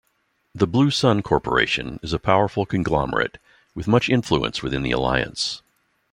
The Blue Sun corporation is a powerful conglomerate with much influence within the Alliance.